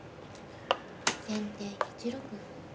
先手１六歩。